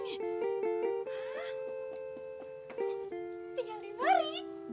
tinggal di mari